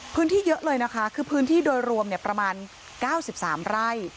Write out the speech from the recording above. เยอะเลยนะคะคือพื้นที่โดยรวมประมาณ๙๓ไร่